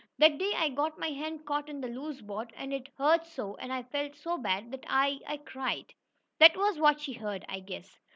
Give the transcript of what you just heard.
"That day I got my hand caught in the loose board, and it hurt so, and I felt so bad that I I cried. That was what she heard, I guess."